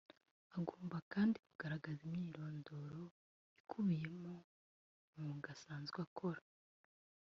Agomba kandi kugaragaza imyirondoro ikubiyemo umwuga asanzwe akora